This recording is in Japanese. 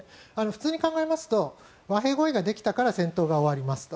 普通に考えますと和平合意ができたから戦闘が終わりますと。